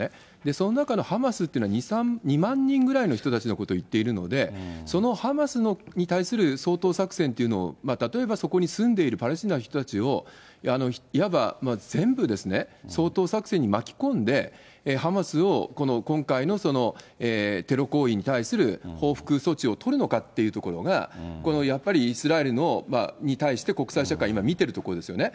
その中のハマスっていうのは２万人ぐらいの人たちのことをいっているので、そのハマスに対する掃討作戦というのを、例えばそこに住んでいるパレスチナの人たちを、いわば全部、掃討作戦に巻き込んで、ハマスを今回のテロ行為に対する報復措置を取るのかっていうところが、やっぱりイスラエルに対して国際社会見てるところですよね。